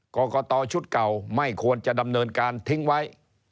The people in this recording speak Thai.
กรกตชุดเก่าไม่ควรจะดำเนินการทิ้งไว้